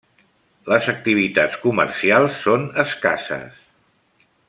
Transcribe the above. Les activitats comercials són escasses.